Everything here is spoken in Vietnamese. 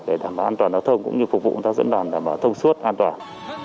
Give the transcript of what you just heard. để đảm bảo an toàn giao thông cũng như phục vụ các dân đoàn đảm bảo thông suốt an toàn